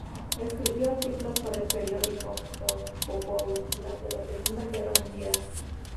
Escribió artículos para el periódico "Il Popolo", durante la Segunda Guerra Mundial.